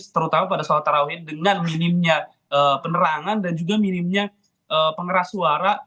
terutama pada sholat tarawih dengan minimnya penerangan dan juga minimnya pengeras suara